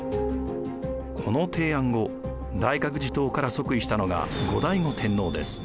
この提案後大覚寺統から即位したのが後醍醐天皇です。